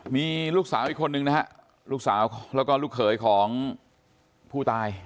มีลูกสาวอีกคนนึงนะฮะลูกสาวแล้วก็ลูกเขยของผู้ตาย